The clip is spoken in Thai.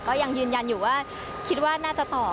ก็ยังยืนยันอยู่ว่าคิดว่าน่าจะตอบ